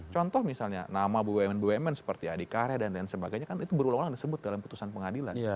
contoh misalnya nama bumn bumn seperti adi karya dan lain sebagainya kan itu berulang ulang disebut dalam putusan pengadilan